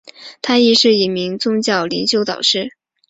她亦是一名宗教灵修导师。